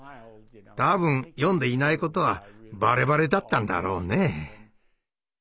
多分読んでいないことはバレバレだったんだろうね。